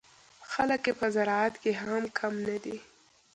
خلک یې په زراعت کې هم کم نه دي.